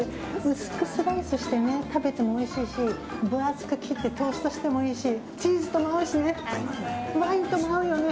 薄くスライスして食べてもおいしいし分厚く切ってトーストしてもいいし。